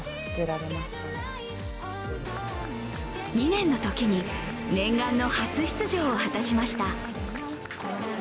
２年のときに、念願の初出場を果たしました。